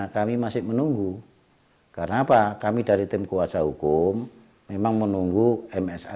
kami masih menunggu karena apa kami dari tim kuasa hukum memang menunggu msa